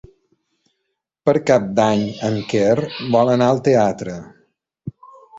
Per Cap d'Any en Quer vol anar al teatre.